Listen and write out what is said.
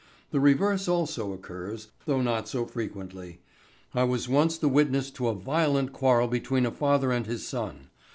The reverse also occurs, though not so frequently. I was once the witness to a violent quarrel between a father and his son.